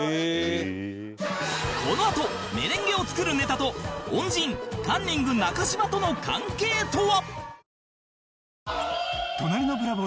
このあとメレンゲを作るネタと恩人カンニング中島との関係とは？